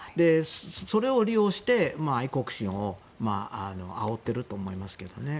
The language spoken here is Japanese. それを利用して、愛国心をあおっていると思いますけどね。